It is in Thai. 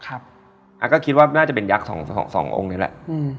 อาก็คิดว่าน่าจะเป็นยักษ์๒องค์นี่แหละ